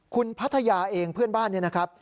คุณพัทยาเองเพื่อนบ้านเนี่ยนะครับ